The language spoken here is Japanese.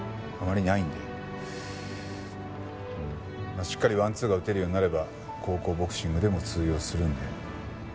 まあしっかりワンツーが打てるようになれば高校ボクシングでも通用するんで。